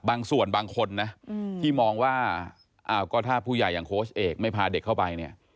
ส่วนบางคนนะที่มองว่าอ้าวก็ถ้าผู้ใหญ่อย่างโค้ชเอกไม่พาเด็กเข้าไปเนี่ย